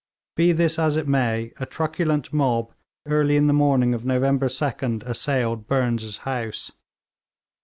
Be this as it may, a truculent mob early in the morning of November 2d assailed Burnes' house.